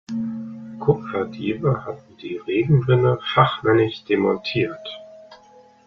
Kupferdiebe hatten die Regenrinne fachmännisch demontiert.